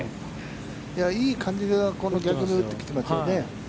いい感じでこの逆目を打ってきてますよね。